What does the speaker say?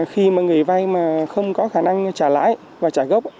khi mà người vay mà không có khả năng trả lãi và trả gốc